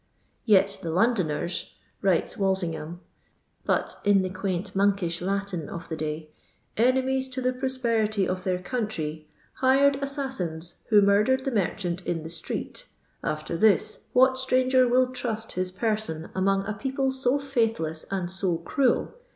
" Yet the Londoners," writes Walsingham, but in the quaint monkish Latin of the day, " enemies to the prosperity of their country, hired assas sins, who murdered the merchant in the street. After this, what stranger will trust his person among a people to faithless and so cruel?